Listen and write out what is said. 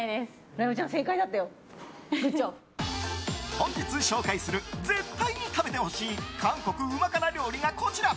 本日紹介する絶対に食べてほしい韓国うま辛料理がこちら。